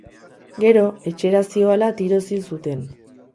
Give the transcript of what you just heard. Gero, etxera zihoala tiroz hil zuten.